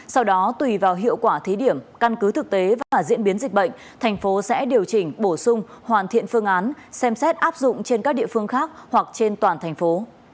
sau đó tùy vào hiệu quả thí điểm căn cứ thực tế và diễn biến dịch bệnh thành phố sẽ điều chỉnh bổ sung hoàn thiện phương án xem xét áp dụng trên các địa phương khác hoặc trên toàn thành phố